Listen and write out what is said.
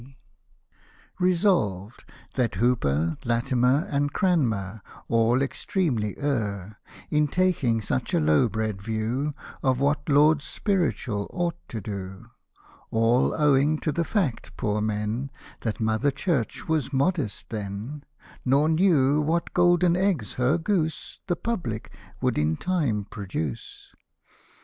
Hosted by Google RESOLUTIONS 217 Resolved, that Hooper, Latimer, And Cranmer, all extremely err, In taking such a low bred view Of what Lords Spiritual ought to do :— All owing to the fact, poor men, That Mother Church was modest then, Nor knew what golden eggs her goose, The Public, would in time produce.